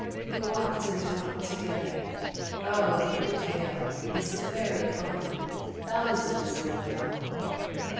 We walked and talked together. O her tale Was very common; thousands know it all!